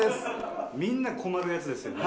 みんな困るやつですよね。